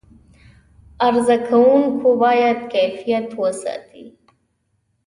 عرضه کوونکي باید کیفیت وساتي.